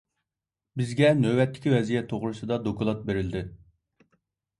بىزگە نۆۋەتتىكى ۋەزىيەت توغرىسىدا دوكلات بېرىلدى.